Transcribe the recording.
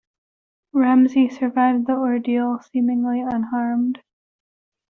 Ramsey survived the ordeal seemingly unharmed.